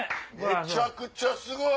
めちゃくちゃすごい！